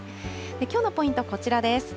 きょうのポイント、こちらです。